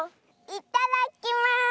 いただきます！